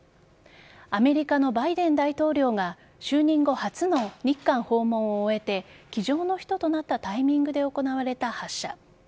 アメリカのバイデン大統領が就任後初の日韓訪問を終えて機上の人となったタイミングで行われた発射。